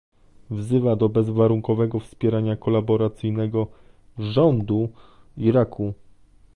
Wzywa do bezwarunkowego wspierania kolaboracyjnego "rządu" Iraku